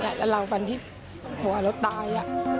แล้วเราวันที่กลัวแล้วตาย